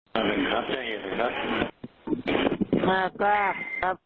สำเร็จครับจะเห็นหรือครับ